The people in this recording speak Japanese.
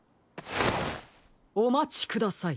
おまちください。